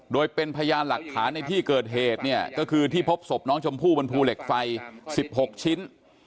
โดยเป็นพยานหลักฐานในที่เกิดเหตุเนี่ยก็คือที่พบศพน้องชมพู่บนภูเหล็กไฟ๑๖ชิ้น